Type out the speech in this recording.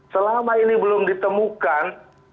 selama ini belum ditemukan